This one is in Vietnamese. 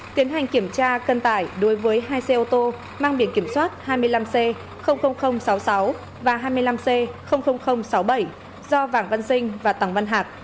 tiến hành kiểm tra cân tải đối với hai xe ô tô mang biển kiểm soát hai mươi năm c sáu mươi sáu và hai mươi năm c sáu mươi bảy do vàng văn sinh và tòng văn hạc